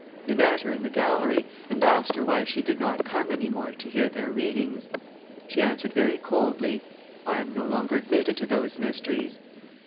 They met her in the gallery, and asked her why she did not come any more to hear their readings. She answered very coldly, 'I am no longer admitted to those mysteries.